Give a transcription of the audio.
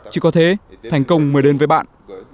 chỉ có thế thành công mới đến với bạn